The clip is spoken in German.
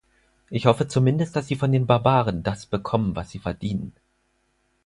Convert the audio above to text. Ich hoffe zumindest, dass Sie von den Barbaren das bekommen, was Sie verdienen!